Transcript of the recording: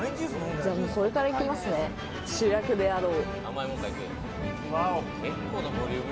じゃあこれから行きますね、主役であろう。